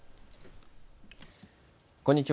こんにちは。